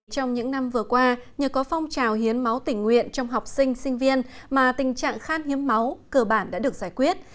trong những năm vừa qua nhờ có phong trào hiến máu tỉnh nguyện trong học sinh sinh viên mà tình trạng khát hiến máu cơ bản đã được giải quyết